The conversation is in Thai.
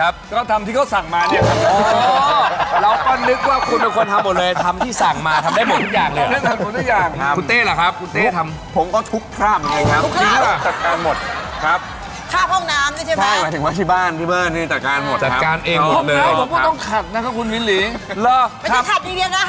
พี่โปโออะไรอย่างนี้เนี่ยมันฮิ้วมาด้วยเห็นกับใส่ในช่องฟิตเลย